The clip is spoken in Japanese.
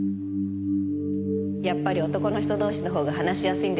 やっぱり男の人同士の方が話しやすいんですかね。